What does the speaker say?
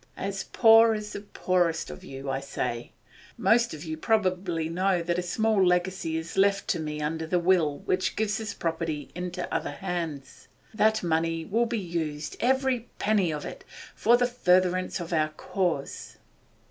As poor as the poorest of you, I say. Most of you probably know that a small legacy is left to me under the will which gives this property into other hands. That money will be used, every penny of it, for the furtherance of our cause!